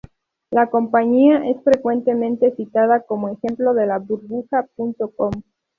La compañía es frecuentemente citada como ejemplo de la burbuja punto com.